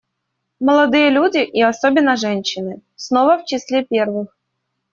Молодые люди — и особенно женщины — снова в числе первых.